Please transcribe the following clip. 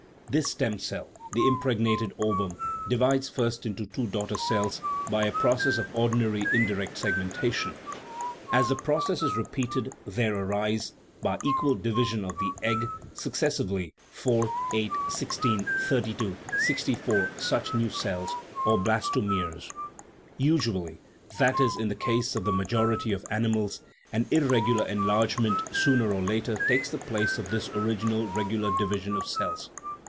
This stem cell, the impregnated ovum, divides first into two daughter cells, by a process of ordinary indirect segmentation; as the process is re peated there arise (by equal division of the egg) suc cessively four, eight, sixteen, thirty two, sixty four such new cells, or " blastomeres." Usually (that is, in the case of the majority of animals) an irregular en largement sooner or later takes the place of this original regular division of cells.